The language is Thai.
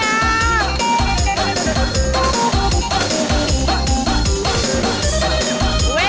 เวลาดีเล่นหน่อยเล่นหน่อย